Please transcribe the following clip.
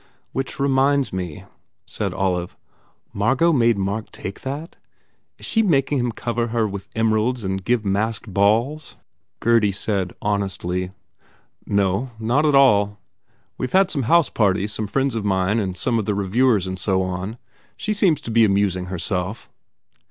"Which reminds me," said Olive, "Margot made Mark take that? Is she making him cover her with emeralds and give masked balls?" Gurdy said honestly, "No, not at all. We ve had some house parties some friends of mine and some of the reviewers and so on. She seems to be amusing herself."